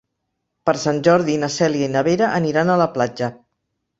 Per Sant Jordi na Cèlia i na Vera aniran a la platja.